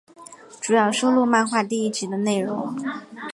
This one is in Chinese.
主要收录漫画第一集的内容。